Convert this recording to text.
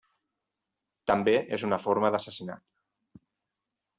També és una forma d'assassinat.